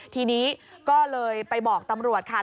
ทีนี้ก็เลยไปบอกตำรวจค่ะ